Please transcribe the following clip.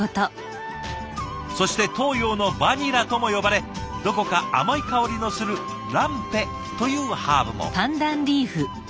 そして東洋のバニラとも呼ばれどこか甘い香りのするランペというハーブも。